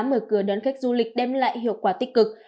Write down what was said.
mở cửa đón khách du lịch đem lại hiệu quả tích cực